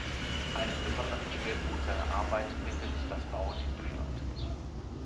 Einen besonderen Schwerpunkt seiner Arbeit bildet das Bauen im Bestand.